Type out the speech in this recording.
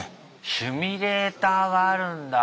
シミュレーターがあるんだ！